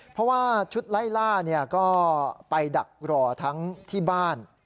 เพราะว่าชุดไล่ล่าก็ไปดักรอทั้งที่บ้าน